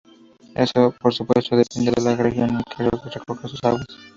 Esto, por supuesto depende de la región en que el río recoja sus aguas.